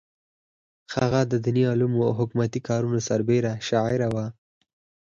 هغه د دیني علومو او حکومتي کارونو سربېره شاعره وه.